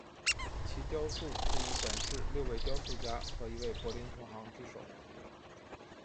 其雕塑出于本市六位雕塑家和一位柏林同行之手。